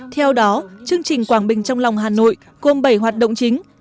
theo đó chương trình quảng bình trong lòng hà nội gồm bảy hoạt động chính